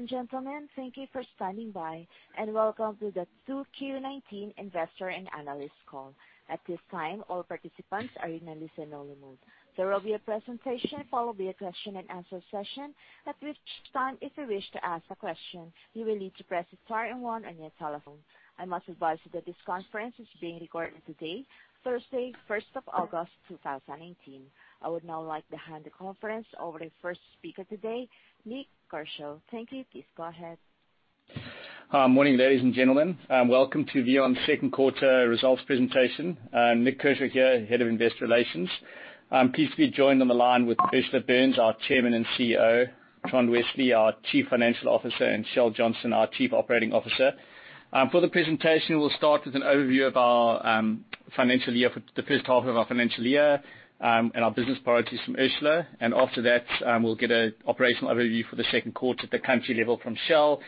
Ladies and gentlemen, thank you for standing by, and welcome to the 2Q19 Investor and Analyst call. At this time, all participants are in a listen-only mode. There will be a presentation, followed by a question and answer session. At which time, if you wish to ask a question, you will need to press star and one on your telephone. I must advise you that this conference is being recorded today, Thursday, 1st of August 2019. I would now like to hand the conference over to the first speaker today, Nik Kershaw. Thank you. Please go ahead. Morning, ladies and gentlemen. Welcome to VEON second quarter results presentation. Nik Kershaw here, Head of Investor Relations. I'm pleased to be joined on the line with Ursula Burns, our Chairman and CEO, Trond Westlie, our Chief Financial Officer, and Kjell Johnsen, our Chief Operating Officer. For the presentation, we'll start with an overview of the first half of our financial year, and our business priorities from Ursula. After that, we'll get an operational overview for the second quarter at the country level from Kjell.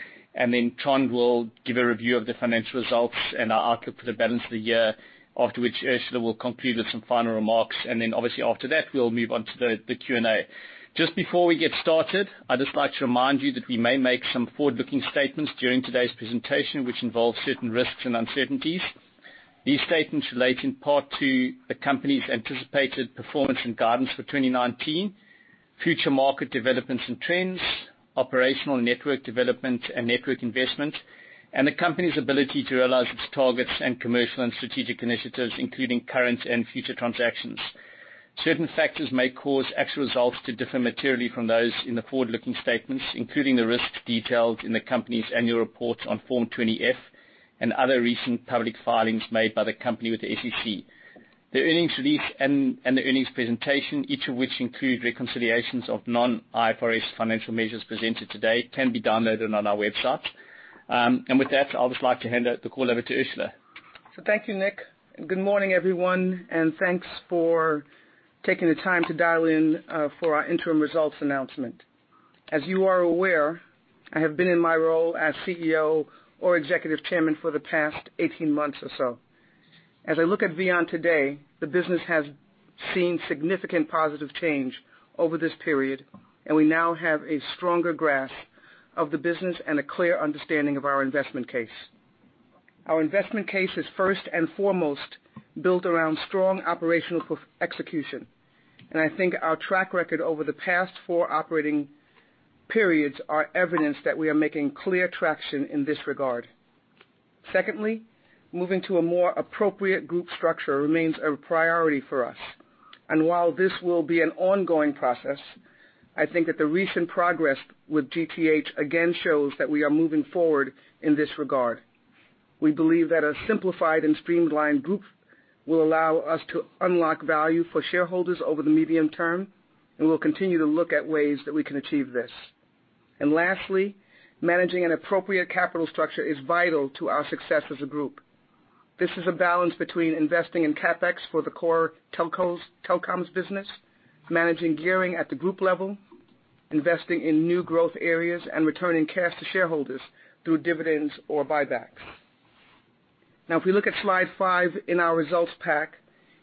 Trond will give a review of the financial results and our outlook for the balance of the year, after which Ursula will conclude with some final remarks. Obviously, after that, we'll move on to the Q&A. Just before we get started, I'd just like to remind you that we may make some forward-looking statements during today's presentation, which involve certain risks and uncertainties. These statements relate in part to the company's anticipated performance and guidance for 2019, future market developments and trends, operational network development and network investment, and the company's ability to realize its targets and commercial and strategic initiatives, including current and future transactions. Certain factors may cause actual results to differ materially from those in the forward-looking statements, including the risks detailed in the company's annual reports on Form 20-F, and other recent public filings made by the company with the SEC. The earnings release and the earnings presentation, each of which include reconciliations of non-IFRS financial measures presented today, can be downloaded on our website. With that, I would like to hand the call over to Ursula. Thank you, Nik. Good morning, everyone, and thanks for taking the time to dial in for our interim results announcement. As you are aware, I have been in my role as CEO or Executive Chairman for the past 18 months or so. As I look at VEON today, the business has seen significant positive change over this period, and we now have a stronger grasp of the business and a clear understanding of our investment case. Our investment case is first and foremost built around strong operational execution, and I think our track record over the past four operating periods are evidence that we are making clear traction in this regard. Secondly, moving to a more appropriate group structure remains a priority for us. While this will be an ongoing process, I think that the recent progress with GTH again shows that we are moving forward in this regard. We believe that a simplified and streamlined group will allow us to unlock value for shareholders over the medium term, and we'll continue to look at ways that we can achieve this. Lastly, managing an appropriate capital structure is vital to our success as a group. This is a balance between investing in CapEx for the core telecoms business, managing gearing at the group level, investing in new growth areas, and returning cash to shareholders through dividends or buybacks. If we look at slide five in our results pack,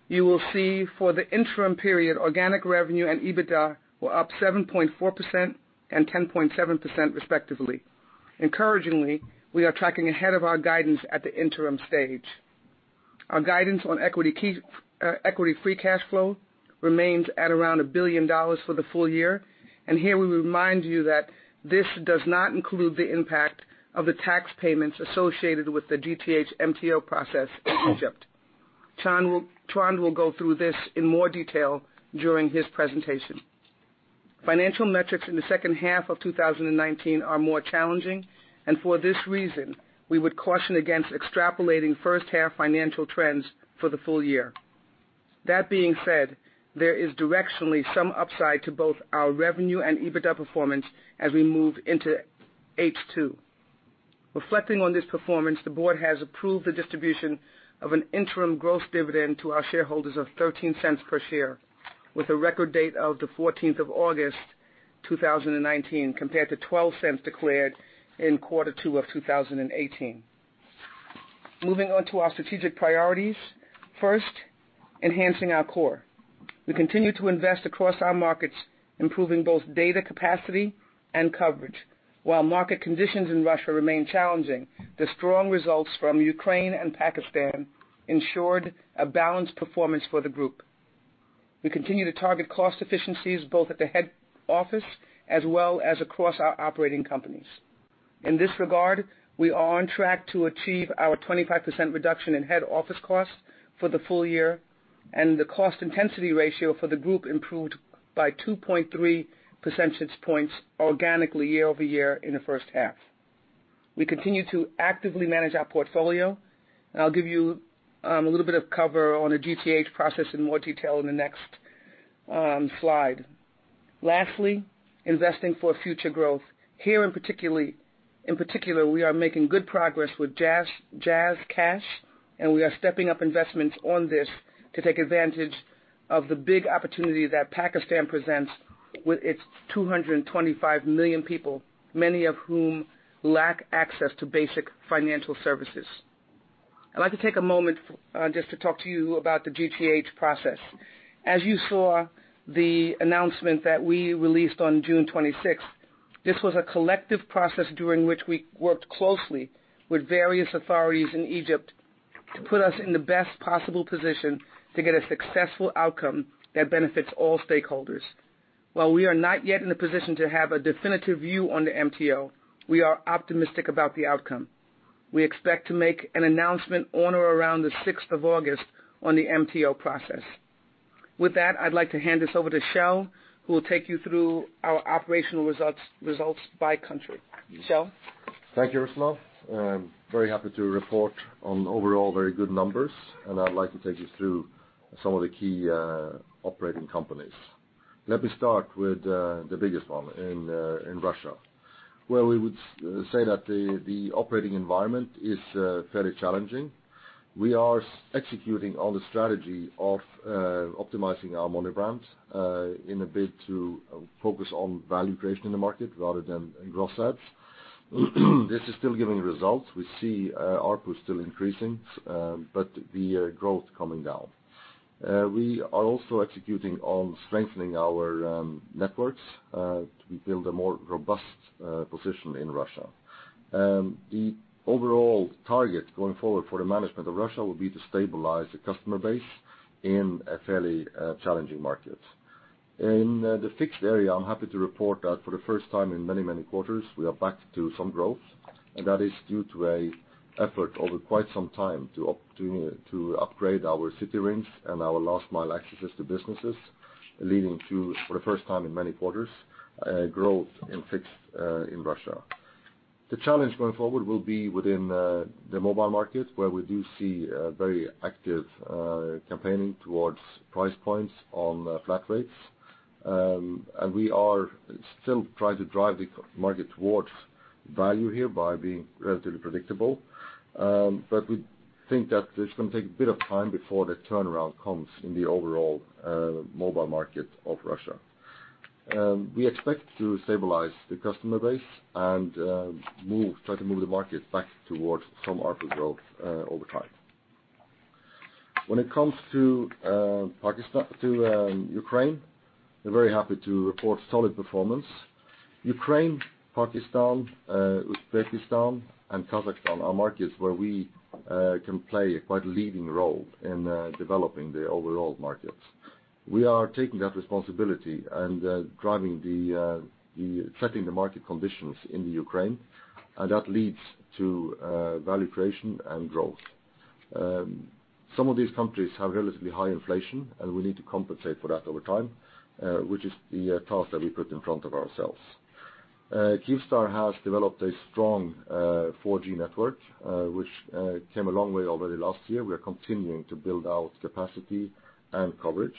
you will see for the interim period, organic revenue and EBITDA were up 7.4% and 10.7% respectively. Encouragingly, we are tracking ahead of our guidance at the interim stage. Our guidance on equity free cash flow remains at around $1 billion for the full year. Here, we remind you that this does not include the impact of the tax payments associated with the GTH MTO process in Egypt. Trond will go through this in more detail during his presentation. Financial metrics in the second half of 2019 are more challenging, and for this reason, we would caution against extrapolating first half financial trends for the full year. That being said, there is directionally some upside to both our revenue and EBITDA performance as we move into H2. Reflecting on this performance, the board has approved the distribution of an interim gross dividend to our shareholders of $0.13 per share, with a record date of the 14th of August 2019, compared to $0.12 declared in quarter two of 2018. Moving on to our strategic priorities. First, enhancing our core. We continue to invest across our markets, improving both data capacity and coverage. While market conditions in Russia remain challenging, the strong results from Ukraine and Pakistan ensured a balanced performance for the group. We continue to target cost efficiencies both at the head office as well as across our operating companies. In this regard, we are on track to achieve our 25% reduction in head office costs for the full year, and the cost intensity ratio for the group improved by 2.3 percentage points organically year-over-year in the first half. We continue to actively manage our portfolio, and I'll give you a little bit of cover on the GTH process in more detail in the next slide. Lastly, investing for future growth. Here in particular, we are making good progress with JazzCash, and we are stepping up investments on this to take advantage of the big opportunity that Pakistan presents with its 225 million people, many of whom lack access to basic financial services. I'd like to take a moment just to talk to you about the GTH process. As you saw, the announcement that we released on June 26th, this was a collective process during which we worked closely with various authorities in Egypt to put us in the best possible position to get a successful outcome that benefits all stakeholders. While we are not yet in a position to have a definitive view on the MTO, we are optimistic about the outcome. We expect to make an announcement on or around the 6th of August on the MTO process. With that, I'd like to hand this over to Kjell, who will take you through our operational results by country. Kjell? Thank you, Ursula. I'm very happy to report on overall very good numbers, and I'd like to take you through some of the key operating companies. Let me start with the biggest one in Russia, where we would say that the operating environment is fairly challenging. We are executing on the strategy of optimizing our monobrand in a bid to focus on value creation in the market rather than gross adds. This is still giving results. We see ARPU still increasing, but the growth coming down. We are also executing on strengthening our networks to build a more robust position in Russia. The overall target going forward for the management of Russia will be to stabilize the customer base in a fairly challenging market. In the fixed area, I'm happy to report that for the first time in many, many quarters, we are back to some growth, and that is due to an effort over quite some time to upgrade our city rings and our last mile accesses to businesses, leading to, for the first time in many quarters, growth in fixed in Russia. The challenge going forward will be within the mobile market, where we do see very active campaigning towards price points on flat rates. We are still trying to drive the market towards value here by being relatively predictable. We think that it's going to take a bit of time before the turnaround comes in the overall mobile market of Russia. We expect to stabilize the customer base, and try to move the market back towards some ARPU growth over time. When it comes to Ukraine, we're very happy to report solid performance. Ukraine, Pakistan, Uzbekistan, and Kazakhstan are markets where we can play a quite leading role in developing the overall markets. We are taking that responsibility and setting the market conditions in the Ukraine, and that leads to value creation and growth. Some of these countries have relatively high inflation, and we need to compensate for that over time, which is the task that we put in front of ourselves. Kyivstar has developed a strong 4G network, which came a long way already last year. We are continuing to build out capacity and coverage.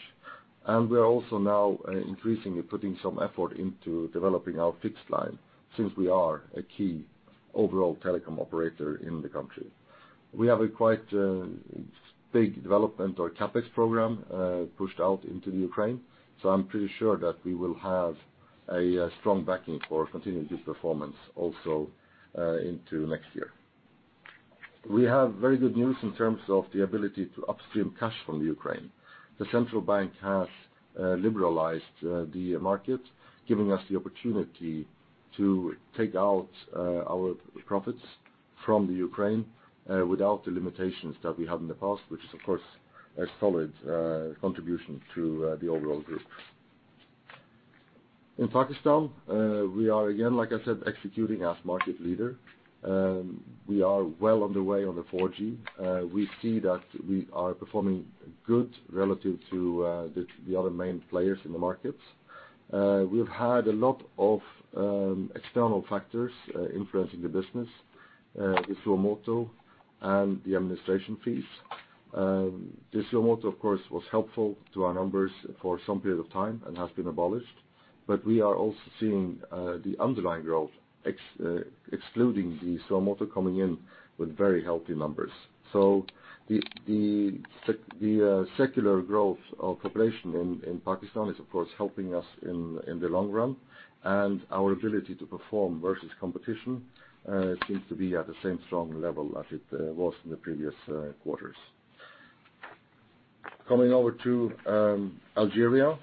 We are also now increasingly putting some effort into developing our fixed line, since we are a key overall telecom operator in the country. We have a quite big development or CapEx program pushed out into the Ukraine, so I'm pretty sure that we will have a strong backing for continuing this performance also into next year. We have very good news in terms of the ability to upstream cash from the Ukraine. The central bank has liberalized the market, giving us the opportunity to take out our profits from the Ukraine without the limitations that we had in the past, which is of course, a solid contribution to the overall group. In Pakistan, we are again, like I said, executing as market leader. We are well on the way on the 4G. We see that we are performing good relative to the other main players in the market. We've had a lot of external factors influencing the business, the suo moto and the administration fees. The suo moto, of course, was helpful to our numbers for some period of time and has been abolished, but we are also seeing the underlying growth, excluding the suo moto, coming in with very healthy numbers. The secular growth of population in Pakistan is, of course, helping us in the long run, and our ability to perform versus competition seems to be at the same strong level as it was in the previous quarters. Coming over to Algeria,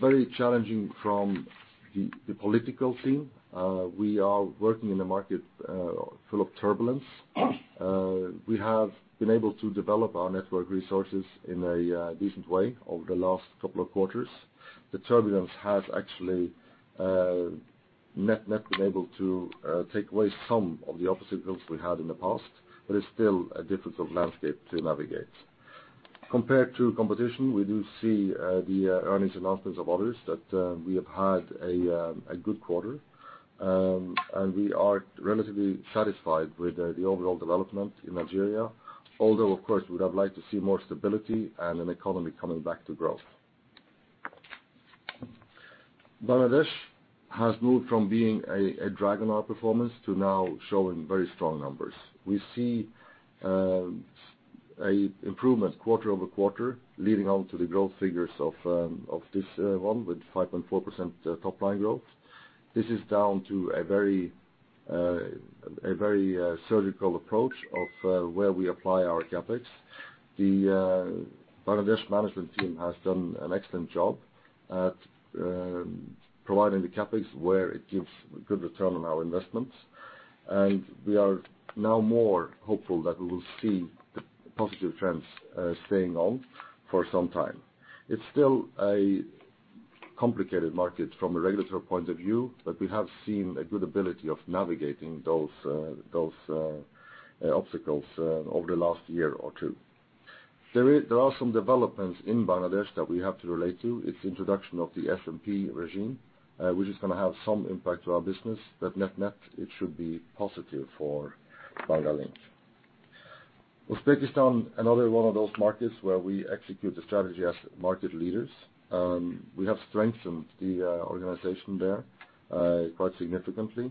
very challenging from the political scene. We are working in a market full of turbulence. We have been able to develop our network resources in a decent way over the last couple of quarters. The turbulence has actually net been able to take away some of the opposite builds we had in the past, but it's still a difficult landscape to navigate. Compared to competition, we do see the earnings announcements of others that we have had a good quarter. We are relatively satisfied with the overall development in Algeria, although of course, we would have liked to see more stability and an economy coming back to growth. Bangladesh has moved from being a drag on our performance to now showing very strong numbers. We see ARPU improvement quarter-over-quarter leading on to the growth figures of this one with 5.4% top line growth. This is down to a very surgical approach of where we apply our CapEx. The Bangladesh management team has done an excellent job at providing the CapEx where it gives good return on our investment, and we are now more hopeful that we will see the positive trends staying on for some time. It's still a complicated market from a regulatory point of view, but we have seen a good ability of navigating those obstacles over the last year or two. There are some developments in Bangladesh that we have to relate to. It's introduction of the SMP regime, which is going to have some impact to our business, but net-net, it should be positive for Banglalink. Uzbekistan, another one of those markets where we execute the strategy as market leaders. We have strengthened the organization there quite significantly.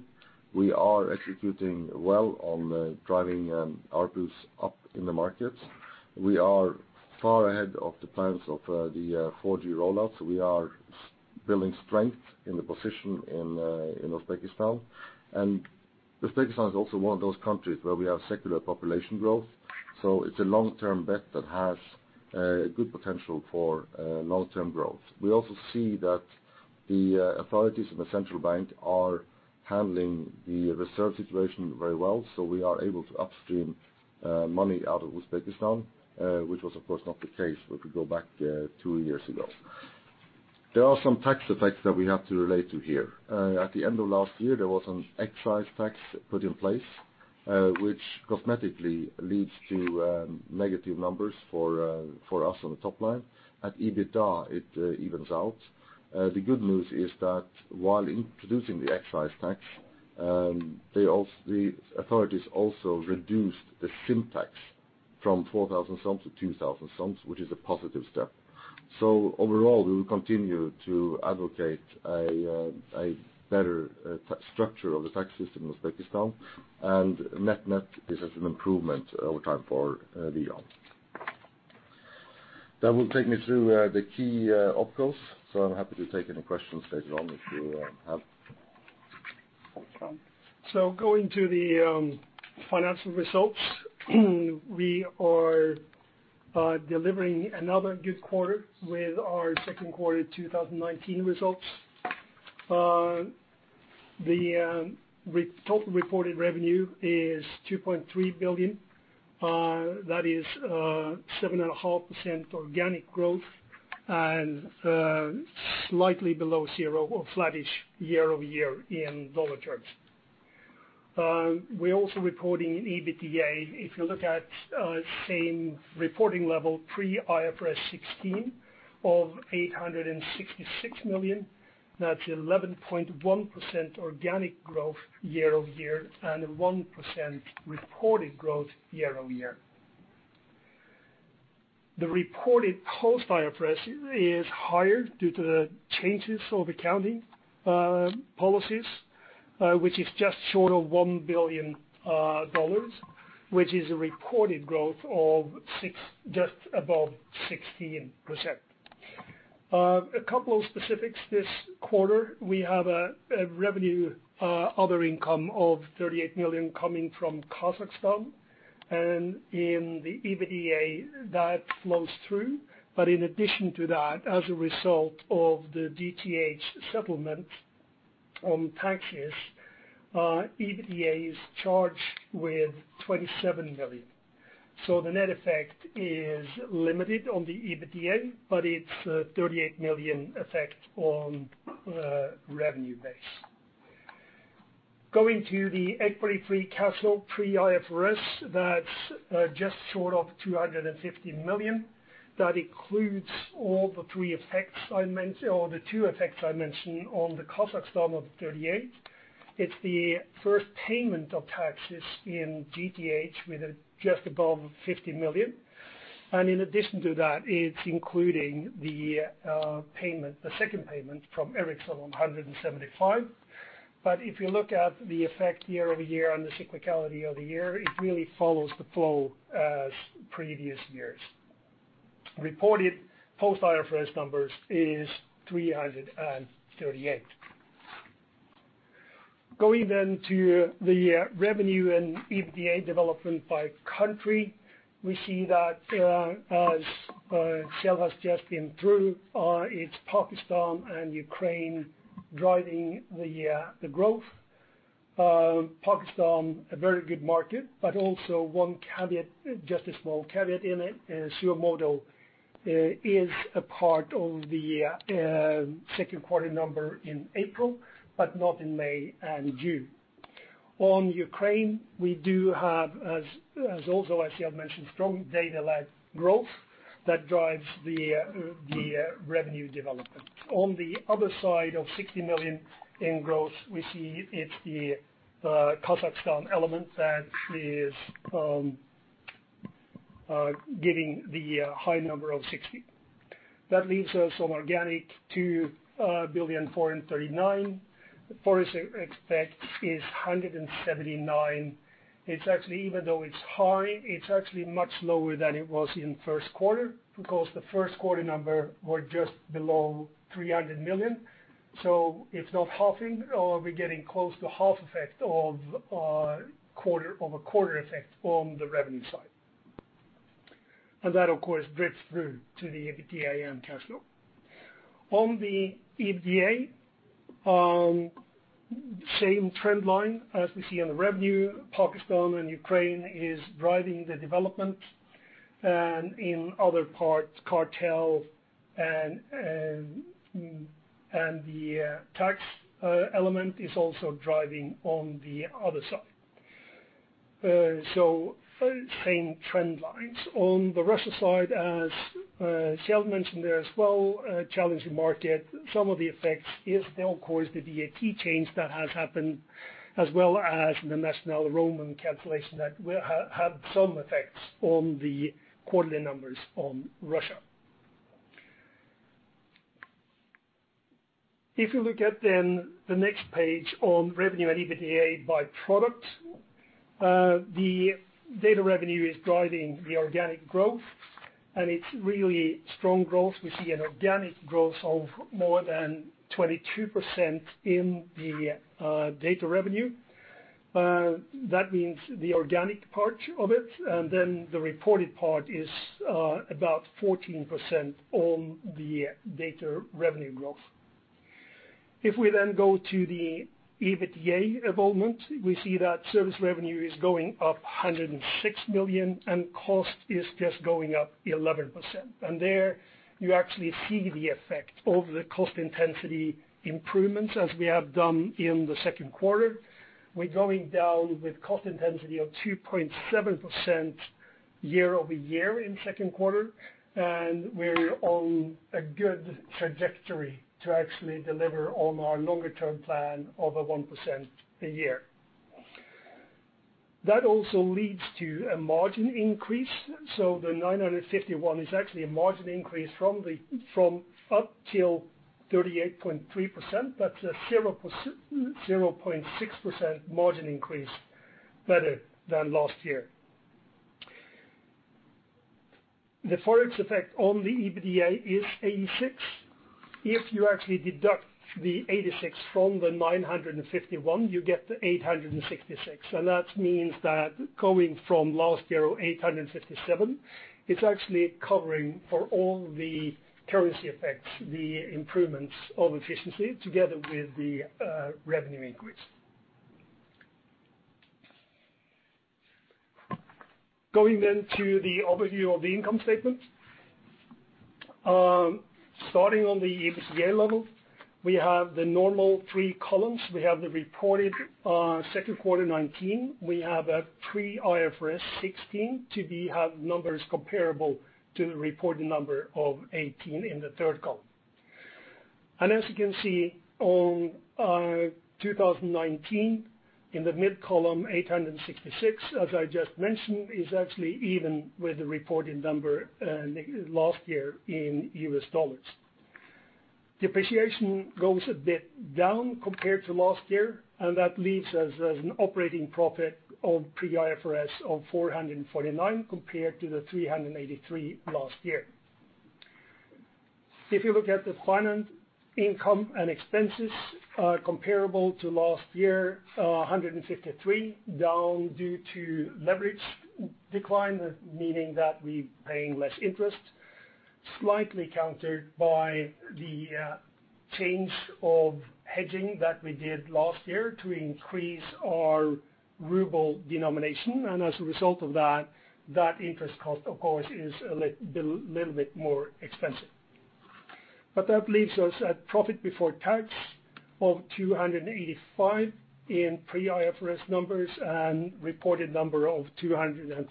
We are executing well on driving ARPUs up in the market. We are far ahead of the plans of the 4G roll-out. We are building strength in the position in Uzbekistan. Uzbekistan is also one of those countries where we have secular population growth. It's a long-term bet that has a good potential for long-term growth. We also see that the authorities in the central bank are handling the reserve situation very well, so we are able to upstream money out of Uzbekistan, which was of course not the case if we go back two years ago. There are some tax effects that we have to relate to here. At the end of last year, there was an excise tax put in place, which cosmetically leads to negative numbers for us on the top line. At EBITDA, it evens out. The good news is that while introducing the excise tax, the authorities also reduced the SIM tax from UZS 4,000 to UZS 2,000, which is a positive step. Overall, we will continue to advocate a better structure of the tax system in Uzbekistan, and net-net is as an improvement over time for VEON. That will take me through the key opcos, so I'm happy to take any questions later on if you have. Going to the financial results. We are delivering another good quarter with our second quarter 2019 results. The total reported revenue is $2.3 billion. That is 7.5% organic growth and slightly below zero or flattish year-over-year in dollar terms. We are also reporting EBITDA, if you look at same reporting level pre IFRS 16 of $866 million, that's 11.1% organic growth year-over-year and 1% reported growth year-over-year. The reported post IFRS is higher due to the changes of accounting policies, which is just short of $1 billion, which is a reported growth of just above 16%. A couple of specifics this quarter. We have a revenue other income of $38 million coming from Kazakhstan and in the EBITDA that flows through. In addition to that, as a result of the GTH settlement on taxes, EBITDA is charged with $27 million. The net effect is limited on the EBITDA, but it's a $38 million effect on revenue base. Going to the equity free cash flow pre IFRS, that's just short of $250 million. That includes all the two effects I mentioned on the Kazakhstan of $38. It's the first payment of taxes in GTH with just above $50 million. In addition to that, it's including the second payment from Ericsson of $175. If you look at the effect year-over-year on the cyclicality of the year, it really follows the flow as previous years. Reported post IFRS numbers is $338. Going to the revenue and EBITDA development by country. We see that as Kjell has just been through, it's Pakistan and Ukraine driving the growth. Pakistan, a very good market, but also one caveat, just a small caveat in it. suo moto is a part of the second quarter number in April, but not in May and June. On Ukraine, we do have, as also as Kjell mentioned, strong data-led growth that drives the revenue development. On the other side of 60 million in growth, we see it's the Kazakhstan element that is giving the high number of 60 million. That leaves us on organic 2.439 billion. The Forex effect is 179 million. Even though it's high, it's actually much lower than it was in first quarter, because the first quarter number were just below 300 million. It's not halving or we're getting close to half effect of a quarter effect on the revenue side. That, of course, drips through to the EBITDA and cash flow. On the EBITDA, same trend line as we see on the revenue. Pakistan and Ukraine is driving the development. In other parts, KaR-Tel and the tax element is also driving on the other side. Same trend lines. On the Russia side, as Kjell mentioned there as well, challenging market. Some of the effects is of course the VAT change that has happened, as well as the national roaming cancellation that had some effects on the quarterly numbers on Russia. If you look at then the next page on revenue and EBITDA by product, the data revenue is driving the organic growth, and it's really strong growth. We see an organic growth of more than 22% in the data revenue. That means the organic part of it, and then the reported part is about 14% on the data revenue growth. If we then go to the EBITDA involvement, we see that service revenue is going up UZS 106 million, and cost is just going up 11%. There you actually see the effect of the cost intensity improvements as we have done in the second quarter. We're going down with cost intensity of 2.7% year-over-year in second quarter, and we're on a good trajectory to actually deliver on our longer term plan of a 1% a year. That also leads to a margin increase. The som 951 is actually a margin increase from up till 38.3%, that's a 0.6% margin increase better than last year. The Forex effect on the EBITDA is som 86. If you actually deduct the som 86 from the som 951, you get the som 866. That means that going from last year, som 857, it's actually covering for all the currency effects, the improvements of efficiency together with the revenue increase. Going then to the overview of the income statement. Starting on the EBITDA level, we have the normal three columns. We have the reported second quarter 2019, we have a pre-IFRS 16 to have numbers comparable to the reported number of 2018 in the third column. As you can see, on 2019, in the mid column, $866, as I just mentioned, is actually even with the reported number last year in US dollars. That leaves us as an operating profit of pre-IFRS of UZS 449 compared to the UZS 383 last year. If you look at the finance income and expenses comparable to last year, UZS 153, down due to leverage decline, meaning that we're paying less interest. Slightly countered by the change of hedging that we did last year to increase our ruble denomination. As a result of that interest cost, of course, is a little bit more expensive. That leaves us at profit before tax of $285 million in pre-IFRS numbers and reported number of $256 million.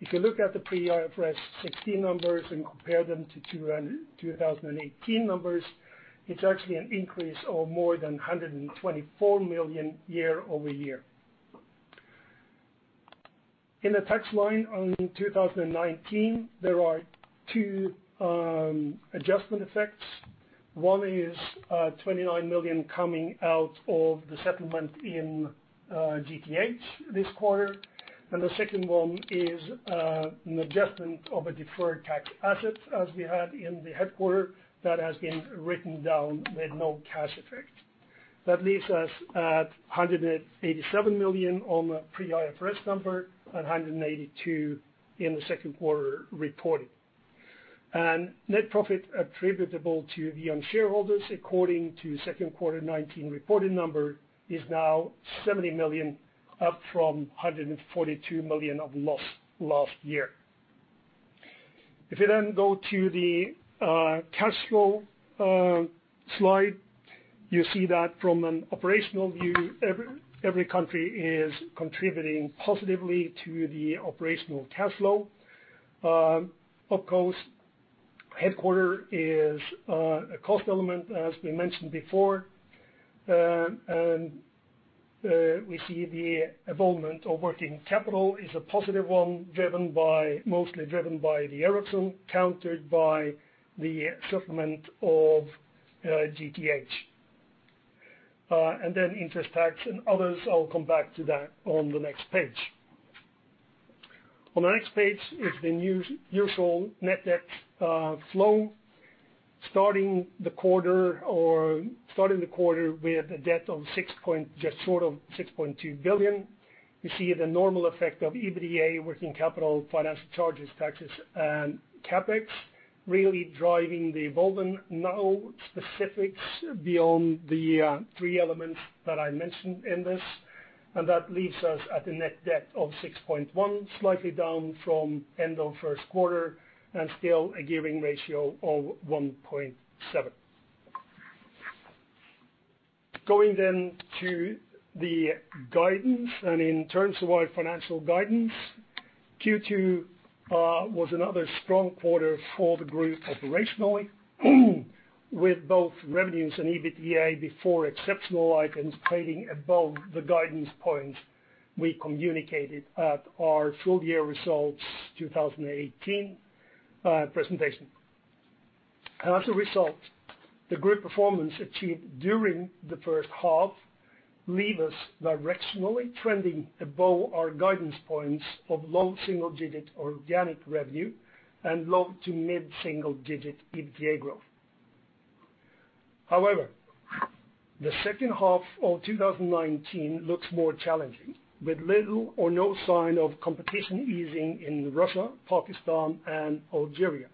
If you look at the pre-IFRS 2016 numbers and compare them to 2018 numbers, it's actually an increase of more than $124 million year-over-year. In the tax line on 2019, there are two adjustment effects. One is $29 million coming out of the settlement in GTH this quarter, and the second one is an adjustment of a deferred tax asset as we had in the headquarter that has been written down with no cash effect. That leaves us at $187 million on the pre-IFRS number and $182 million in the second quarter reported. Net profit attributable to VEON shareholders according to second quarter 2019 reported number is now $70 million, up from $142 million of loss last year. If you go to the cash flow slide, you see that from an operational view, every country is contributing positively to the operational cash flow. Up cost headquarter is a cost element, as we mentioned before. We see the evolvement of working capital is a positive one, mostly driven by the Ericsson, countered by the supplement of GTH. Interest tax and others, I'll come back to that on the next page. On the next page is the usual net debt flow. Starting the quarter with a debt just short of $6.2 billion. We see the normal effect of EBITDA, working capital, financial charges, taxes, and CapEx, really driving the evolvement. No specifics beyond the three elements that I mentioned in this. That leaves us at a net debt of $6.1 billion, slightly down from end of first quarter, and still a gearing ratio of 1.7. Going then to the guidance, and in terms of our financial guidance, Q2 was another strong quarter for the group operationally, with both revenues and EBITDA before exceptional items trading above the guidance points we communicated at our full year results 2018 presentation. As a result, the group performance achieved during the first half leave us directionally trending above our guidance points of low single-digit organic revenue and low to mid single digit EBITDA growth. However, the second half of 2019 looks more challenging. With little or no sign of competition easing in Russia, Pakistan, and Algeria,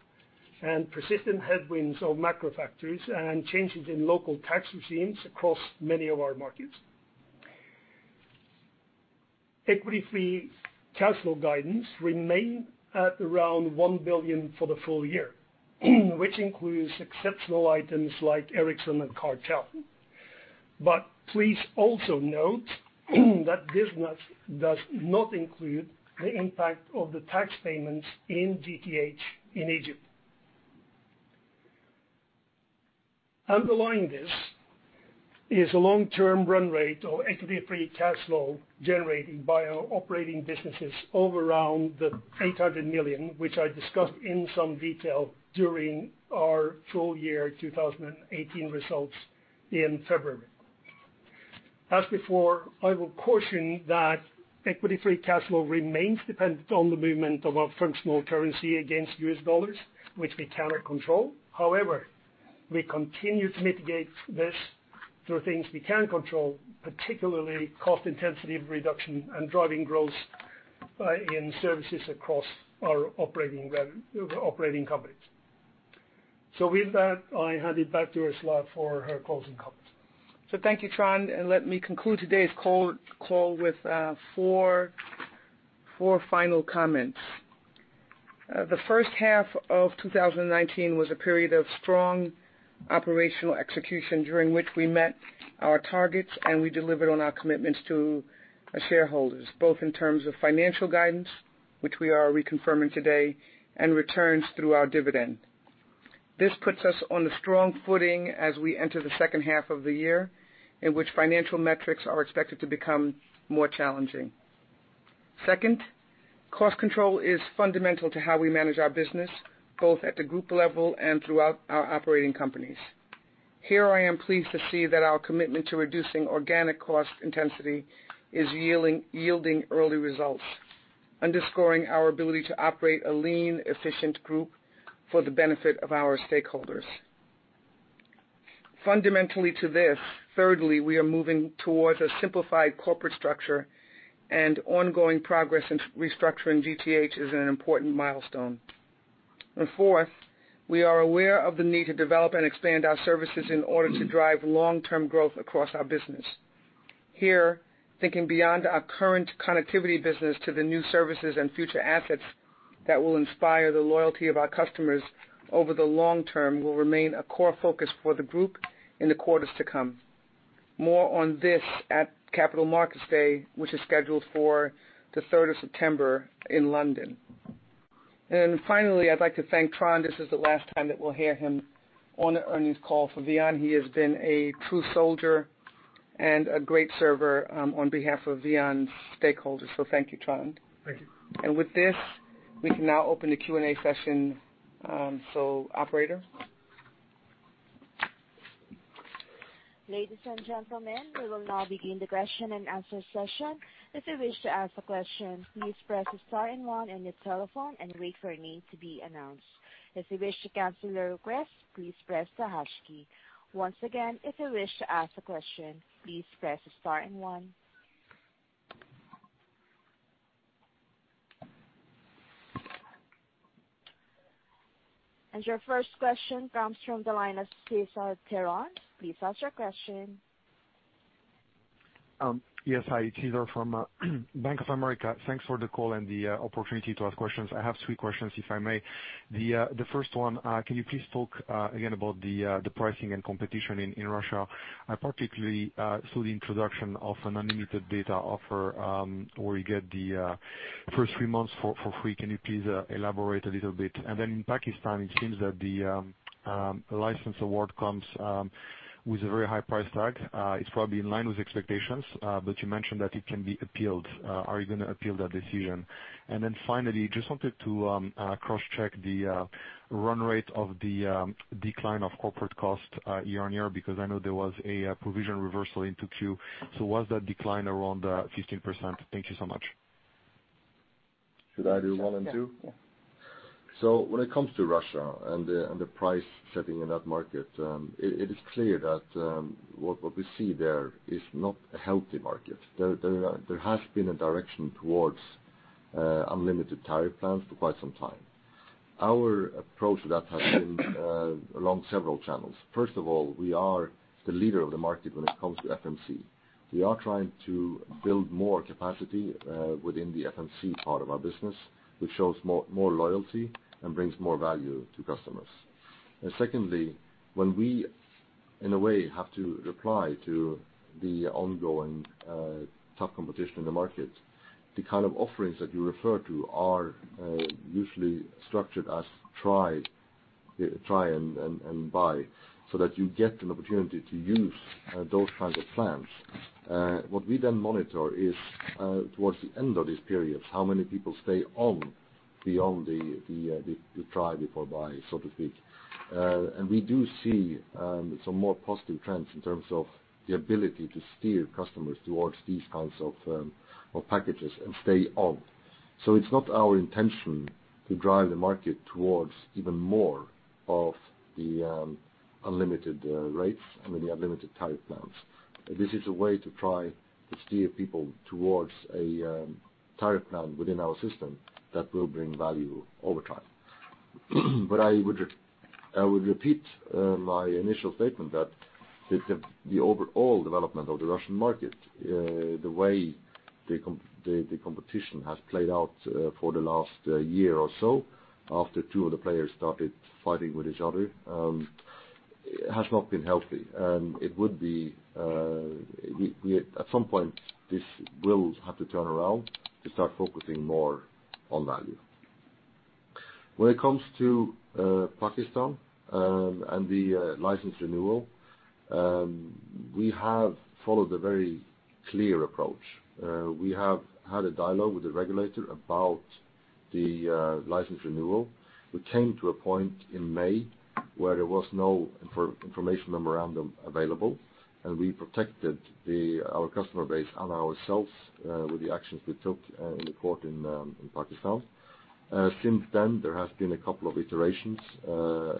and persistent headwinds of macro factors and changes in local tax regimes across many of our markets. Equity-free cash flow guidance remain at around $1 billion for the full year, which includes exceptional items like Ericsson and Cartel. Please also note that this does not include the impact of the tax payments in GTH in Egypt. Underlying this is a long-term run rate of equity-free cash flow generated by our operating businesses of around the 800 million, which I discussed in some detail during our full year 2018 results in February. As before, I will caution that equity-free cash flow remains dependent on the movement of our functional currency against U.S. dollars, which we cannot control. However, we continue to mitigate this through things we can control, particularly cost intensity reduction and driving growth in services across our operating companies. With that, I hand it back to Ursula for her closing comments. Thank you, Trond, and let me conclude today's call with four final comments. The first half of 2019 was a period of strong operational execution, during which we met our targets and we delivered on our commitments to our shareholders, both in terms of financial guidance, which we are reconfirming today, and returns through our dividend. This puts us on a strong footing as we enter the second half of the year, in which financial metrics are expected to become more challenging. Second, cost control is fundamental to how we manage our business, both at the group level and throughout our operating companies. Here I am pleased to see that our commitment to reducing organic cost intensity is yielding early results, underscoring our ability to operate a lean, efficient group for the benefit of our stakeholders. Fundamentally to this, thirdly, we are moving towards a simplified corporate structure and ongoing progress in restructuring GTH is an important milestone. Fourth, we are aware of the need to develop and expand our services in order to drive long-term growth across our business. Here, thinking beyond our current connectivity business to the new services and future assets that will inspire the loyalty of our customers over the long term will remain a core focus for the group in the quarters to come. More on this at Capital Markets Day, which is scheduled for the 3rd of September in London. Finally, I'd like to thank Trond. This is the last time that we'll hear him on the earnings call for VEON. He has been a true soldier and a great server on behalf of VEON stakeholders. Thank you, Trond. Thank you. With this, we can now open the Q&A session. Operator? Ladies and gentlemen, we will now begin the question and answer session. If you wish to ask a question, please press star and one on your telephone and wait for your name to be announced. If you wish to cancel your request, please press the hash key. Once again, if you wish to ask a question, please press star and one. Your first question comes from the line of Cesar Tiron. Please ask your question. Yes, hi. It's Cesar from Bank of America. Thanks for the call and the opportunity to ask questions. I have three questions, if I may. The first one, can you please talk again about the pricing and competition in Russia? I particularly saw the introduction of an unlimited data offer, where you get the first three months for free. Can you please elaborate a little bit? In Pakistan, it seems that the license award comes with a very high price tag. It's probably in line with expectations, but you mentioned that it can be appealed. Are you going to appeal that decision? Finally, just wanted to cross-check the run rate of the decline of corporate cost year-on-year, because I know there was a provision reversal in 2Q. Was that decline around 15%? Thank you so much. Should I do one and two? Yeah. When it comes to Russia and the price setting in that market, it is clear that what we see there is not a healthy market. There has been a direction towards unlimited tariff plans for quite some time. Our approach to that has been along several channels. First of all, we are the leader of the market when it comes to FMC. We are trying to build more capacity within the FMC part of our business, which shows more loyalty and brings more value to customers. Secondly, when we, in a way, have to reply to the ongoing tough competition in the market, the kind of offerings that you refer to are usually structured as try and buy, so that you get an opportunity to use those kinds of plans. What we then monitor is towards the end of these periods, how many people stay on beyond the try before buy, so to speak. We do see some more positive trends in terms of the ability to steer customers towards these kinds of packages and stay on. It's not our intention to drive the market towards even more of the unlimited rates, I mean, the unlimited tariff plans. This is a way to try to steer people towards a tariff plan within our system that will bring value over time. I would repeat my initial statement that the overall development of the Russian market, the way the competition has played out for the last year or so, after two of the players started fighting with each other, has not been healthy. At some point, this will have to turn around to start focusing more on value. When it comes to Pakistan and the license renewal, we have followed a very clear approach. We have had a dialogue with the regulator about the license renewal. We came to a point in May where there was no information memorandum available, and we protected our customer base and ourselves with the actions we took in the court in Pakistan. Since then, there has been a couple of iterations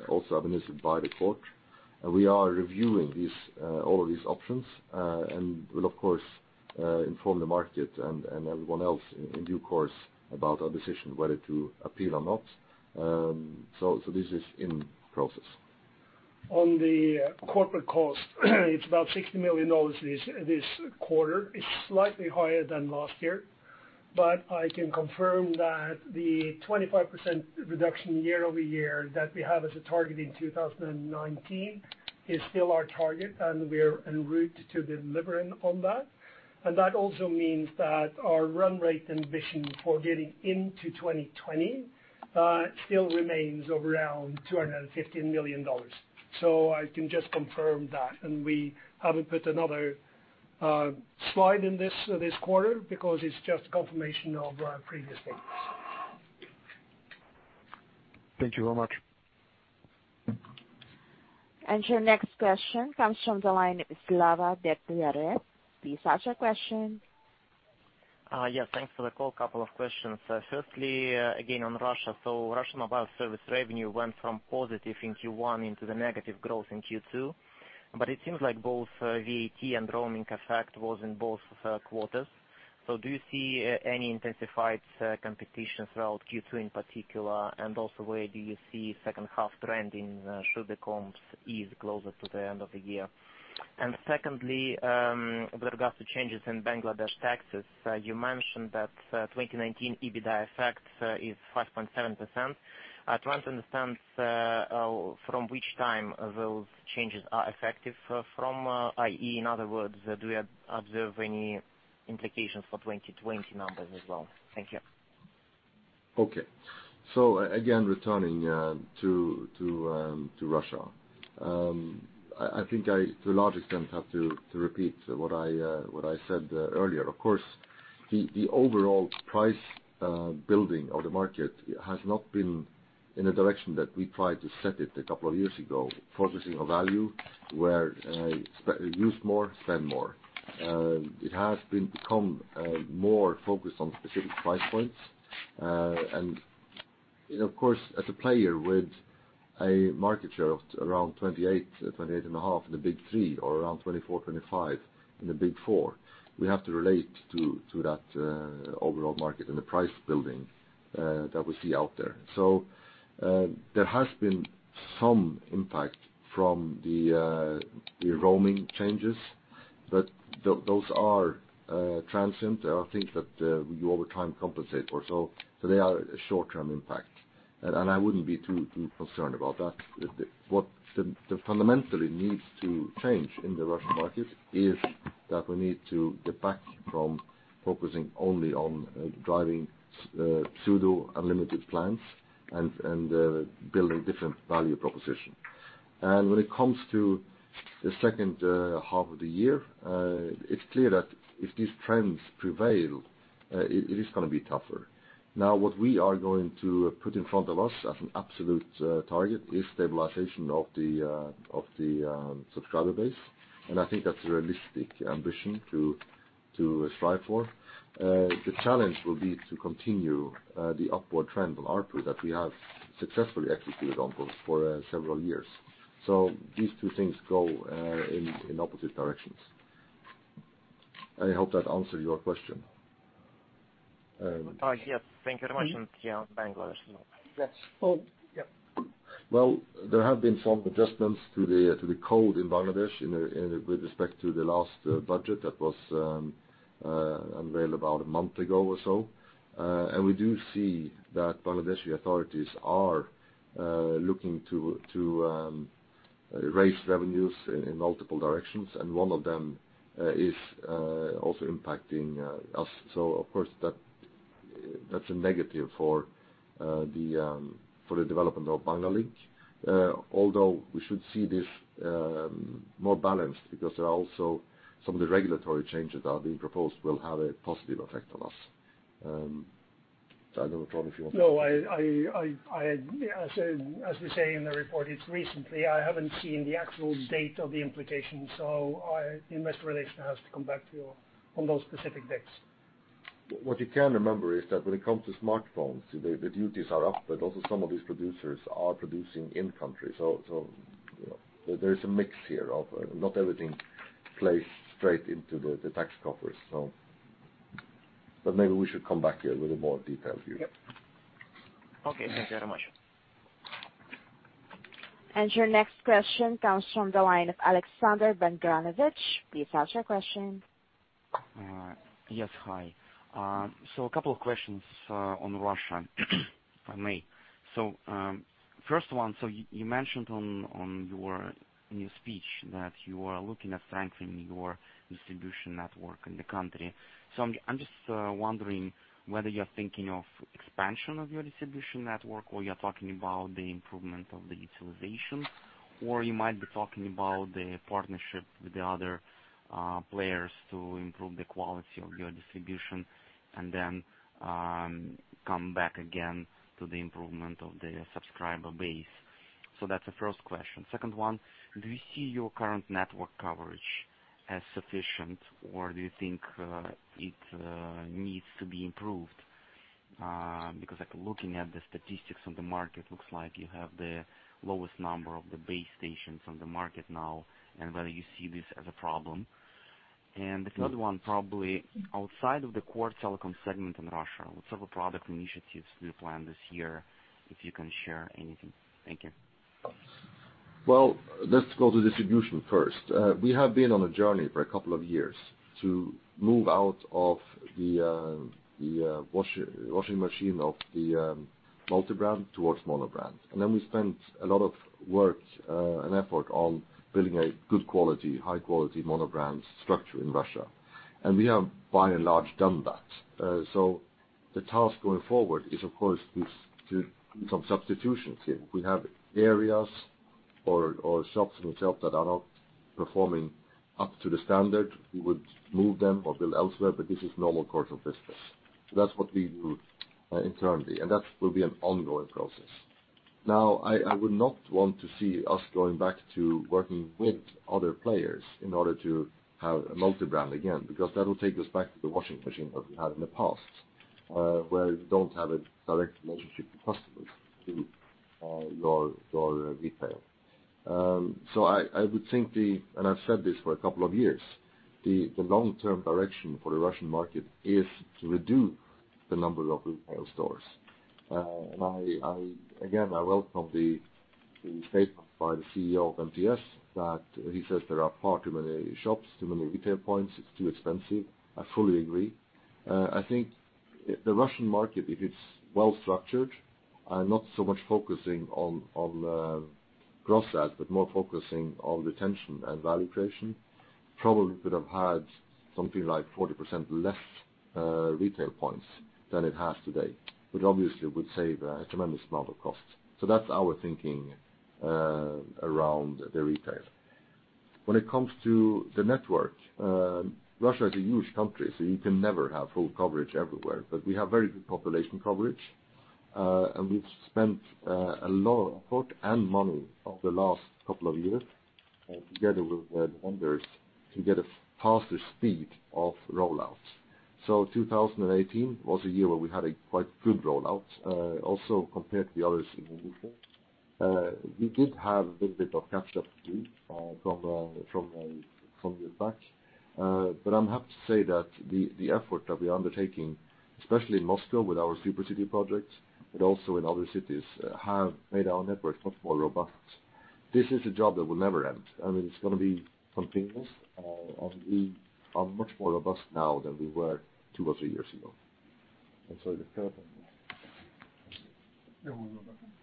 also envisaged by the court. We are reviewing all of these options, and we'll, of course, inform the market and everyone else in due course about our decision whether to appeal or not. This is in process. On the corporate cost, it's about $60 million this quarter. It's slightly higher than last year, but I can confirm that the 25% reduction year-over-year that we have as a target in 2019 is still our target, and we're en route to delivering on that. That also means that our run rate ambition for getting into 2020 still remains around $250 million. I can just confirm that, and we haven't put another slide in this quarter because it's just confirmation of our previous statements. Thank you very much. Your next question comes from the line, Slava Degtyarev. Please ask your question. Yes, thanks for the call. Couple of questions. Firstly, again, on Russia. Russian mobile service revenue went from positive in Q1 into the negative growth in Q2, but it seems like both VAT and roaming effect was in both quarters. Do you see any intensified competition throughout Q2 in particular? Also, where do you see second half trend in should the comps ease closer to the end of the year? Secondly, with regards to changes in Bangladesh taxes, you mentioned that 2019 EBITDA effect is 5.7%. I try to understand from which time those changes are effective from. i.e in other words, do we observe any implications for 2020 numbers as well? Thank you. Okay. Again, returning to Russia. I think I, to a large extent, have to repeat what I said earlier. Of course, the overall price building of the market has not been in a direction that we tried to set it a couple of years ago, focusing on value where use more, spend more. It has become more focused on specific price points. Of course, as a player with a market share of around 28 and a half in the big three or around 24, 25 in the big four, we have to relate to that overall market and the price building that we see out there. There has been some impact from the roaming changes. Those are transient. I think that you over time compensate for. They are a short-term impact, and I wouldn't be too concerned about that. What fundamentally needs to change in the Russian market is that we need to get back from focusing only on driving pseudo unlimited plans and building different value proposition. When it comes to the second half of the year, it's clear that if these trends prevail, it is going to be tougher. What we are going to put in front of us as an absolute target is stabilization of the subscriber base, and I think that's a realistic ambition to strive for. The challenge will be to continue the upward trend on ARPU that we have successfully executed on for several years. These two things go in opposite directions. I hope that answered your question. Yes. Thank you very much. Here on Bangladesh now. Yes. Hold. Yep. Well, there have been some adjustments to the code in Bangladesh with respect to the last budget that was unveiled about a month ago or so. We do see that Bangladeshi authorities are looking to raise revenues in multiple directions, and one of them is also impacting us. Of course, that's a negative for the development of Banglalink. Although we should see this more balanced because there are also some of the regulatory changes that are being proposed will have a positive effect on us. I don't know, Trond, if you want to. No, as we say in the report, it's recently, I haven't seen the actual date of the implication, so Investor Relations has to come back to you on those specific dates. What you can remember is that when it comes to smartphones, the duties are up, but also some of these producers are producing in-country. There is a mix here of not everything plays straight into the tax coffers. Maybe we should come back here with a more detailed view. Yep. Okay. Thank you very much. Your next question comes from the line of Alexander Vengranovich. Please ask your question. Yes, hi. A couple of questions on Russia, if I may. First one, you mentioned on your new speech that you are looking at strengthening your distribution network in the country. I'm just wondering whether you're thinking of expansion of your distribution network, or you're talking about the improvement of the utilization, or you might be talking about the partnership with the other players to improve the quality of your distribution and then come back again to the improvement of the subscriber base. That's the first question. Second one, do you see your current network coverage as sufficient, or do you think it needs to be improved? Looking at the statistics on the market, looks like you have the lowest number of the base stations on the market now, and whether you see this as a problem. The third one, probably outside of the core telecom segment in Russia, what type of product initiatives do you plan this year, if you can share anything? Thank you. Let's go to distribution first. We have been on a journey for a couple of years to move out of the washing machine of the multi-brand towards mono-brand. Then we spent a lot of work and effort on building a good quality, high quality mono-brand structure in Russia. We have by and large done that. The task going forward is, of course, with some substitutions here. We have areas or shops in itself that are not performing up to the standard. We would move them or build elsewhere, but this is normal course of business. That's what we do internally, and that will be an ongoing process. I would not want to see us going back to working with other players in order to have a multi-brand again, because that will take us back to the washing machine that we had in the past, where you don't have a direct relationship with customers through your retail. I would think and I've said this for a couple of years, the long-term direction for the Russian market is to reduce the number of retail stores. I welcome the statement by the CEO of MTS, that he says there are far too many shops, too many retail points. It's too expensive. I fully agree. I think the Russian market, if it's well-structured and not so much focusing on gross add, but more focusing on retention and value creation, probably could have had something like 40% less retail points than it has today, which obviously would save a tremendous amount of cost. That's our thinking around the retail. When it comes to the network, Russia is a huge country, you can never have full coverage everywhere. We have very good population coverage, and we've spent a lot of effort and money over the last couple of years together with the vendors to get a faster speed of rollouts. 2018 was a year where we had a quite good rollout, also compared to the others in the region. We did have a little bit of catch-up to do from years back. I'm happy to say that the effort that we're undertaking, especially in Moscow with our Super City projects, but also in other cities, have made our network much more robust. This is a job that will never end. I mean, it's going to be continuous. We are much more robust now than we were two or three years ago. I'm sorry, the third one.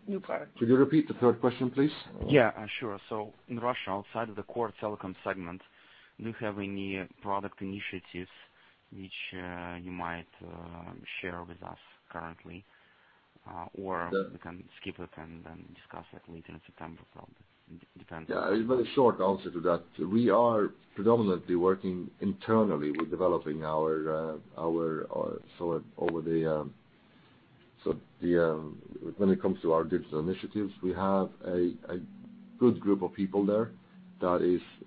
New product. Could you repeat the third question, please? Yeah, sure. In Russia, outside of the core telecom segment, do you have any product initiatives which you might share with us currently? We can skip it and then discuss it later in September, probably. Depends. Yeah. A very short answer to that. We are predominantly working internally with developing our when it comes to our digital initiatives, we have a good group of people there that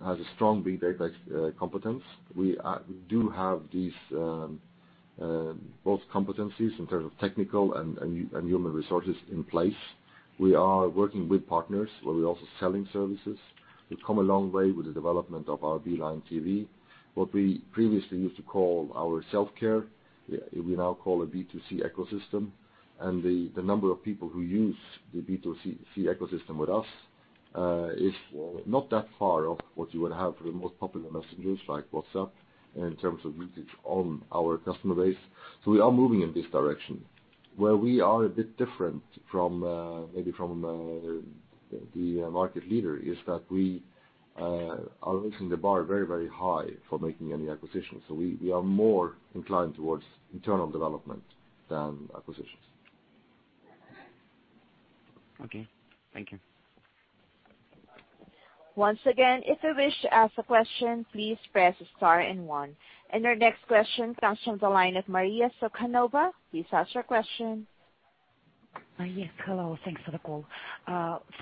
has a strong big data competence. We do have these both competencies in terms of technical and human resources in place. We are working with partners where we're also selling services. We've come a long way with the development of our Beeline TV. What we previously used to call our self-care, we now call a B2C ecosystem, and the number of people who use the B2C ecosystem with us, is not that far off what you would have for the most popular messengers, like WhatsApp, in terms of usage on our customer base. We are moving in this direction. Where we are a bit different, maybe from the market leader, is that we are raising the bar very high for making any acquisitions. We are more inclined towards internal development than acquisitions. Okay. Thank you. Once again, if you wish to ask a question, please press star and one. Our next question comes from the line of Maria Sukhanova. Please ask your question. Yes, hello. Thanks for the call.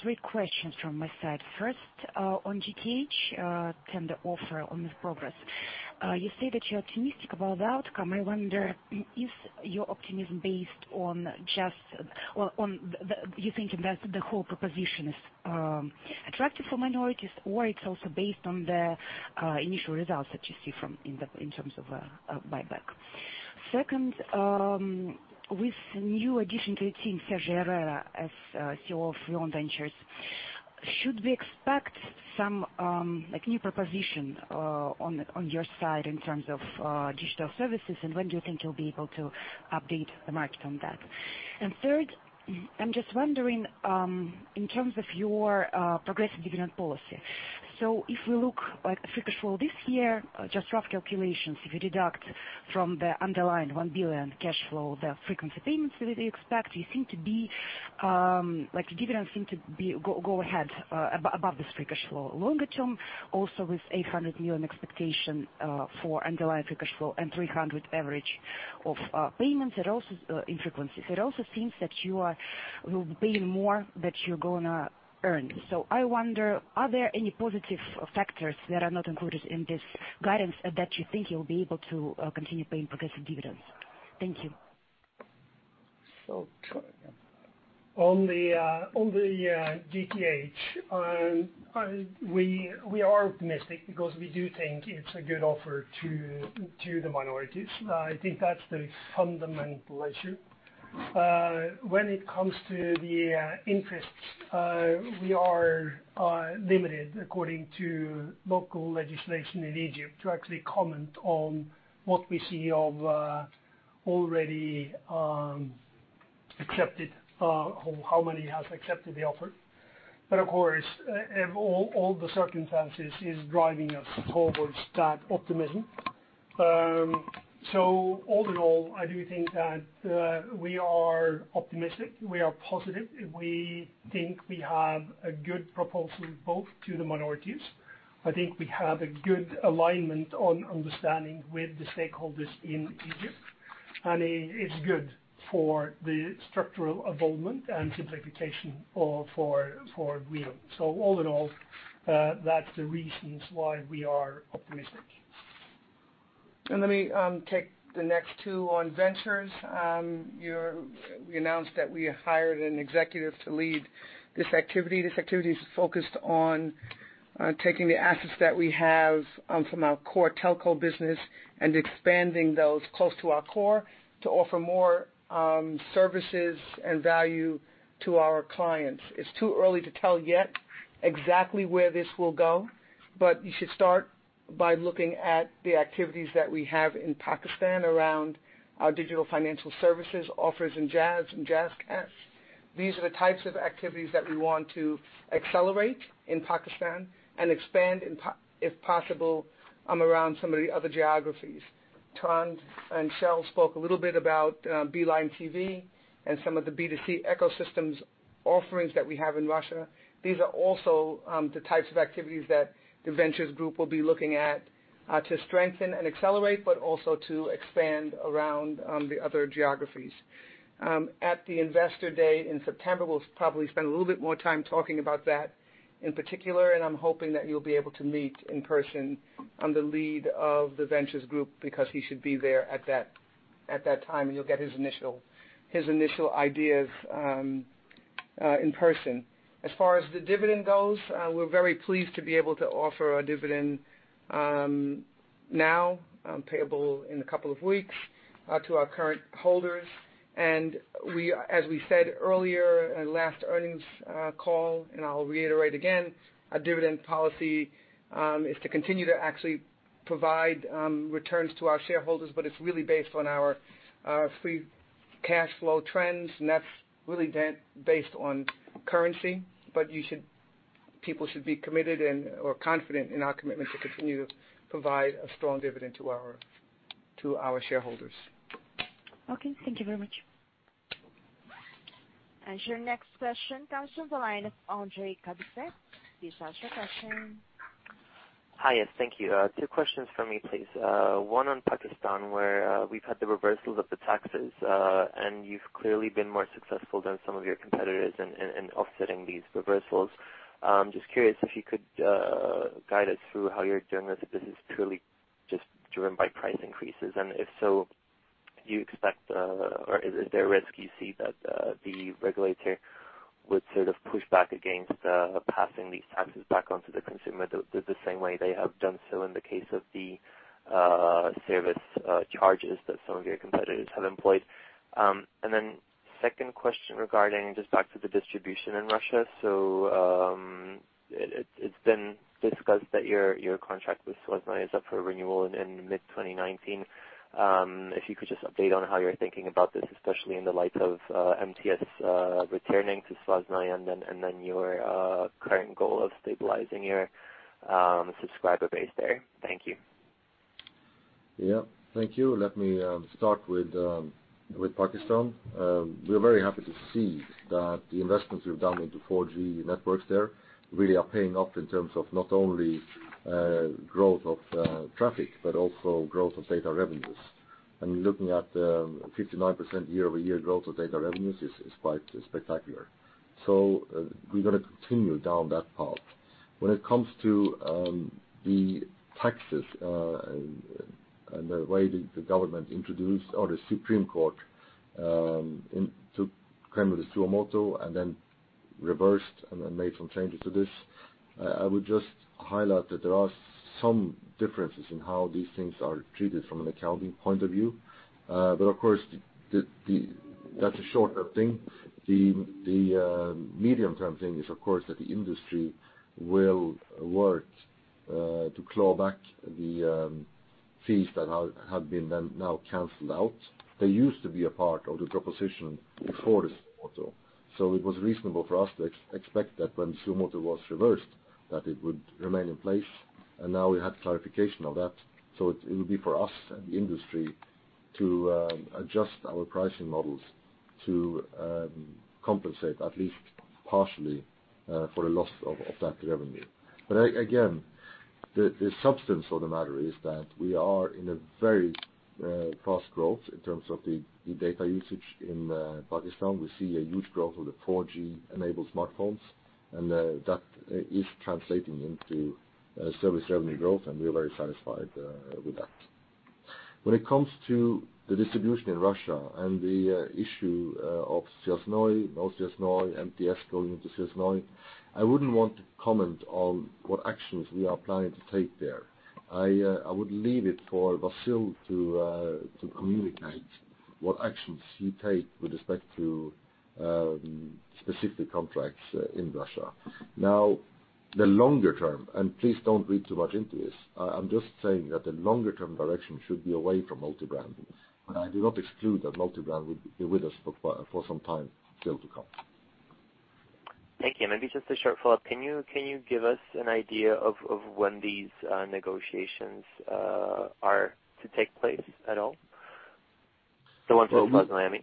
Three questions from my side. First, on GTH, tender offer on this progress. You say that you're optimistic about the outcome. I wonder is your optimism based on you thinking that the whole proposition is attractive for minorities, or it's also based on the initial results that you see in terms of buyback. Second, with new addition to your team, Sergi Herrero, as CEO of VEON Ventures, should we expect some new proposition on your side in terms of digital services, and when do you think you'll be able to update the market on that? Third, I'm just wondering, in terms of your progressive dividend policy. If we look at the free cash flow this year, just rough calculations, if you deduct from the underlying $1 billion cash flow, the frequency payments that you expect, dividends seem to go ahead above this free cash flow. Longer term, also with $800 million expectation for underlying free cash flow and $300 million average of payments in frequencies. It also seems that you will be paying more that you're going to earn. I wonder, are there any positive factors that are not included in this guidance that you think you'll be able to continue paying progressive dividends? Thank you. Kjell again. On the GTH, we are optimistic because we do think it's a good offer to the minorities. I think that's the fundamental issue. When it comes to the interests, we are limited according to local legislation in Egypt to actually comment on what we see of already accepted, how many has accepted the offer. Of course, all the circumstances is driving us towards that optimism. All in all, I do think that we are optimistic, we are positive. We think we have a good proposal both to the minorities. I think we have a good alignment on understanding with the stakeholders in Egypt, and it's good for the structural involvement and simplification for VEON. All in all, that's the reasons why we are optimistic. Let me take the next two on Ventures. We announced that we hired an executive to lead this activity. This activity is focused on taking the assets that we have from our core telco business and expanding those close to our core to offer more services and value to our clients. It's too early to tell yet exactly where this will go, but you should start by looking at the activities that we have in Pakistan around our digital financial services offers in Jazz and JazzCash. These are the types of activities that we want to accelerate in Pakistan and expand, if possible, around some of the other geographies. Trond and Kjell spoke a little bit about Beeline TV and some of the B2C ecosystems offerings that we have in Russia. These are also the types of activities that the Ventures group will be looking at to strengthen and accelerate, but also to expand around the other geographies. At the Investor Day in September, we'll probably spend a little bit more time talking about that in particular, and I'm hoping that you'll be able to meet in person the lead of the Ventures group, because he should be there at that time, and you'll get his initial ideas in person. As far as the dividend goes, we're very pleased to be able to offer a dividend now, payable in a couple of weeks, to our current holders. As we said earlier in last earnings call, and I'll reiterate again, our dividend policy is to continue to actually provide returns to our shareholders, but it's really based on our free cash flow trends, and that's really based on currency. People should be committed or confident in our commitment to continue to provide a strong dividend to our shareholders. Okay. Thank you very much. Your next question comes from the line of Andrey Kobylyanskiy. Please ask your question. Hi, yes. Thank you. Two questions from me, please. One on Pakistan, where we've had the reversals of the taxes, and you've clearly been more successful than some of your competitors in offsetting these reversals. I'm just curious if you could guide us through how you're doing this, if this is purely just driven by price increases. If so, do you expect or is there a risk you see that the regulator would sort of push back against passing these taxes back onto the consumer the same way they have done so in the case of the service charges that some of your competitors have employed? Then second question regarding just back to the distribution in Russia. It's been discussed that your contract with Svyaznoy is up for renewal in mid 2019. If you could just update on how you're thinking about this, especially in the light of MTS returning to Svyaznoy and then your current goal of stabilizing your subscriber base there. Thank you. Thank you. Let me start with Pakistan. We are very happy to see that the investments we've done into 4G networks there really are paying off in terms of not only growth of traffic, but also growth of data revenues. I mean, looking at the 59% year-over-year growth of data revenues is quite spectacular. We're going to continue down that path. When it comes to the taxes, and the way the government introduced or the Supreme Court took kind of the suo moto and then reversed and then made some changes to this. I would just highlight that there are some differences in how these things are treated from an accounting point of view. Of course, that's a shorter thing. The medium-term thing is, of course, that the industry will work to claw back the fees that have been now canceled out. They used to be a part of the proposition before the suo moto. It was reasonable for us to expect that when suo moto was reversed, that it would remain in place, and now we have clarification of that. It will be for us and the industry to adjust our pricing models to compensate at least partially, for a loss of that revenue. Again, the substance of the matter is that we are in a very fast growth in terms of the data usage in Pakistan. We see a huge growth of the 4G-enabled smartphones, and that is translating into service revenue growth, and we are very satisfied with that. When it comes to the distribution in Russia and the issue of Svyaznoy, MTS going into Svyaznoy, I wouldn't want to comment on what actions we are planning to take there. I would leave it for Vasyl to communicate what actions he take with respect to specific contracts in Russia. The longer term, please don't read too much into this. I'm just saying that the longer term direction should be away from multi-brandings. I do not exclude that multi-brand would be with us for some time still to come. Thank you. Maybe just a short follow-up. Can you give us an idea of when these negotiations are to take place at all? The ones with Svyaznoy, I mean.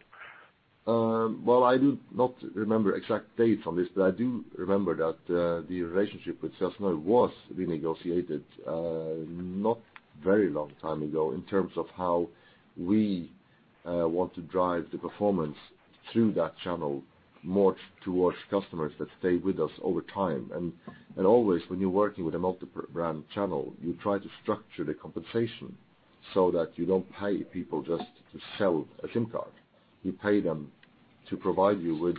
Well, I do not remember exact dates on this, but I do remember that the relationship with Svyaznoy was renegotiated not very long time ago in terms of how we want to drive the performance through that channel more towards customers that stay with us over time. Always, when you're working with a multi-brand channel, you try to structure the compensation so that you don't pay people just to sell a SIM card. You pay them to provide you with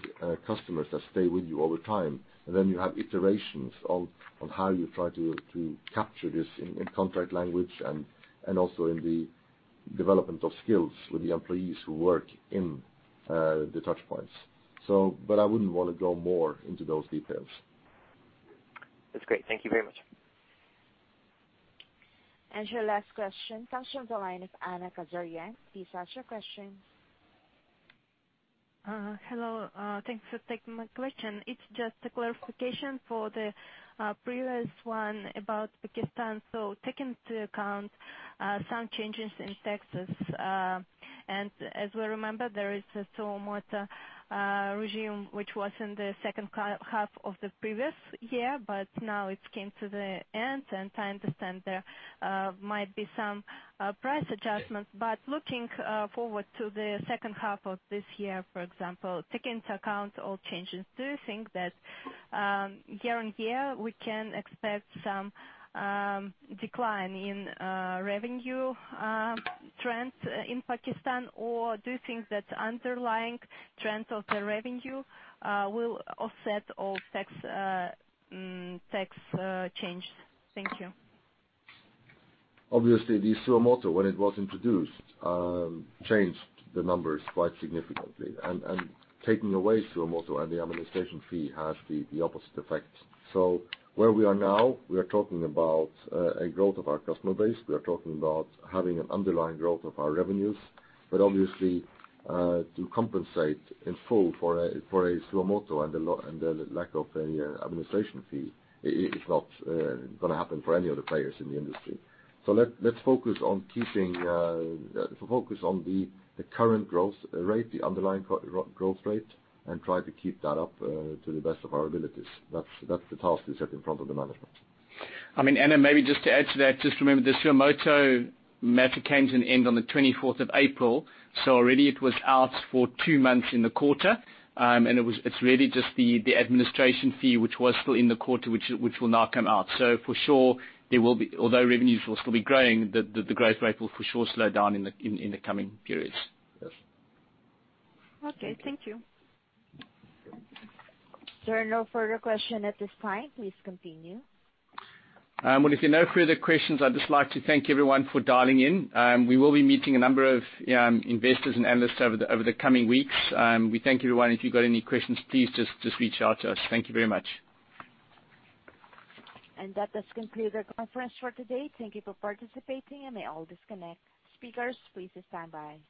customers that stay with you over time, and then you have iterations of how you try to capture this in contract language and also in the development of skills with the employees who work in the touchpoints. I wouldn't want to go more into those details. That's great. Thank you very much. Your last question comes from the line of Anna Kazyaryan. Please ask your question. Hello. Thanks for taking my question. It's just a clarification for the previous one about Pakistan. Taking into account some changes in taxes, and as we remember, there is a suo moto regime which was in the second half of the previous year, now it came to the end, and I understand there might be some price adjustments. Looking forward to the second half of this year, for example, taking into account all changes, do you think that year-on-year, we can expect some decline in revenue trends in Pakistan? Do you think that underlying trends of the revenue will offset all tax changes? Thank you. Obviously, the suo moto, when it was introduced, changed the numbers quite significantly. Taking away suo moto and the administration fee has the opposite effect. Where we are now, we are talking about a growth of our customer base. We are talking about having an underlying growth of our revenues, but obviously, to compensate in full for a suo moto and the lack of any administration fee, it's not gonna happen for any other players in the industry. Let's focus on the current growth rate, the underlying growth rate, and try to keep that up to the best of our abilities. That's the task we set in front of the management. I mean, Anna, maybe just to add to that, just remember, the suo moto matter came to an end on the 24th of April, so already it was out for two months in the quarter. It's really just the administration fee, which was still in the quarter, which will now come out. For sure, although revenues will still be growing, the growth rate will for sure slow down in the coming periods. Yes. Okay. Thank you. There are no further questions at this time. Please continue. If there are no further questions, I'd just like to thank everyone for dialing in. We will be meeting a number of investors and analysts over the coming weeks. We thank everyone. If you've got any questions, please just reach out to us. Thank you very much. That does conclude our conference for today. Thank you for participating, and may all disconnect. Speakers, please stand by.